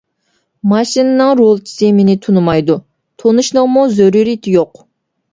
ماشىنىنىڭ رولچىسى مېنى تونۇمايدۇ، تونۇشىنىڭمۇ زۆرۈرىيىتى يوق.